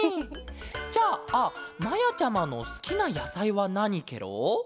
じゃあまやちゃまのすきなやさいはなにケロ？